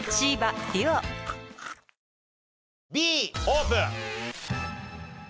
Ｂオープン！